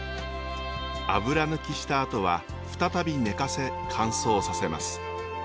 油抜きしたあとは再び寝かせ乾燥させます。